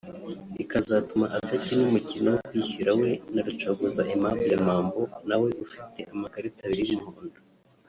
ikazatuma adakina umukino wo kwishyura we na Rucogoza Aimable Mambo na we ufite amakarita abiri y’umuhondo